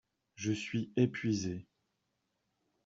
Je suis épuisé.